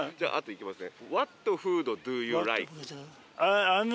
いきますね。